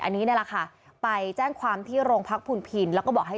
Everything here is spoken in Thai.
อันนี้นี่แหละค่ะไปแจ้งความที่โรงพักพุนพินแล้วก็บอกให้